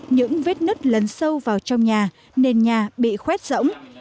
những vết nứt lấn sâu vào trong nhà nên nhà bị khoét rỗng